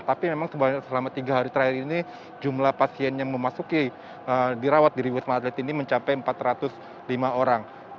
tapi memang selama tiga hari terakhir ini jumlah pasien yang memasuki dirawat di wisma atlet ini mencapai empat ratus lima orang